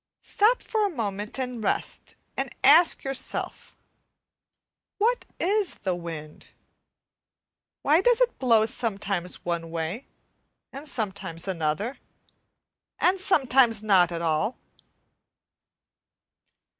Stop for a moment and rest, and ask yourself, what is the wind? Why does it blow sometimes one way and sometimes another, and sometimes not at all?